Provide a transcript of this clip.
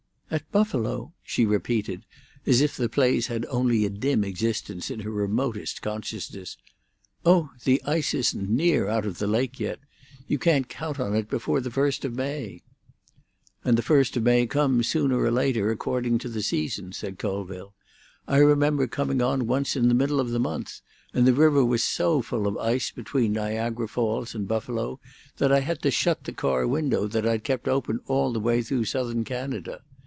"At Buffalo?" she repeated, as if the place had only a dim existence in her remotest consciousness. "Oh! The ice isn't near out of the lake yet. You can't count on it before the first of May." "And the first of May comes sooner or later, according to the season," said Colville. "I remember coming on once in the middle of the month, and the river was so full of ice between Niagara Falls and Buffalo that I had to shut the car window that I'd kept open all the way through Southern Canada.